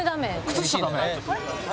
靴下ダメ。